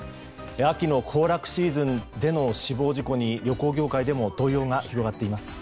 秋の行楽シーズンでの死亡事故に旅行業界でも動揺が広がっています。